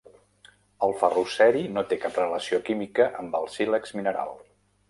El ferroceri no té cap relació química amb el sílex mineral.